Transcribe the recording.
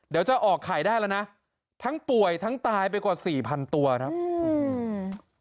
เดี๋ยวจะออกขายได้น่ะทั้งป่วยทั้งตายไปกว่า๔๐๐๐ตัวครับ